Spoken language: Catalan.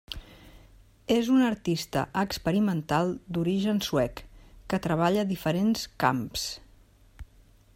És un artista experimental d'origen suec que treballa diferents camps.